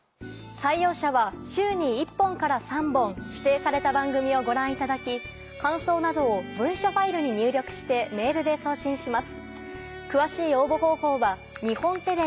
採用者は週に１本から３本指定された番組をご覧いただき感想などを文書ファイルに入力してメールで送信します。